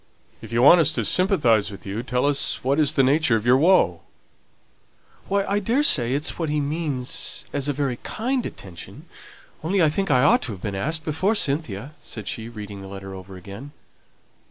"If you want us to sympathize with you, tell us what is the nature of your woe." "Why, I daresay it's what he means as a very kind attention, only I think I ought to have been asked before Cynthia," said she, reading the letter over again.